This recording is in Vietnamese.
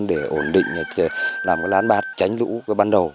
để ổn định làm lát bát tránh lũ ban đầu